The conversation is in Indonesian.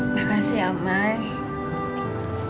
makasih ya main